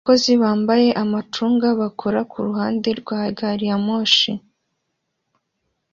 Abakozi bambaye amacunga bakora kuruhande rwa gari ya moshi